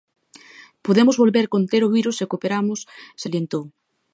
Podemos volver conter o virus se cooperamos, salientou.